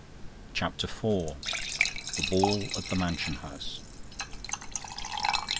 CHAPTER IV The ball at the Mansion House.